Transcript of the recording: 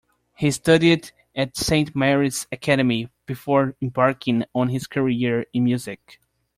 He studied at Saint Mary's Academy before embarking on his career in music.